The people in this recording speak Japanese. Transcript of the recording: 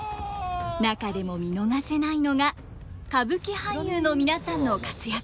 中でも見逃せないのが歌舞伎俳優の皆さんの活躍ぶり。